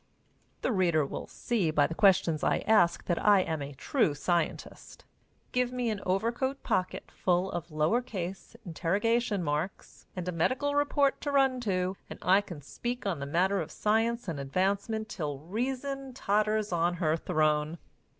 The reader will see by the questions I ask that I am a true scientist. Give me an overcoat pocket full of lower case interrogation marks and a medical report to run to, and I can speak on the matter of science and advancement till Reason totters on her throne.